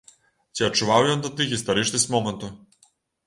Ці адчуваў ён тады гістарычнасць моманту?